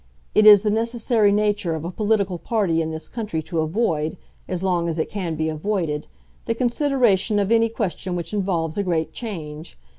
It is the necessary nature of a political party in this country to avoid, as long as it can be avoided, the consideration of any question which involves a great change.